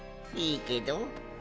いいけど。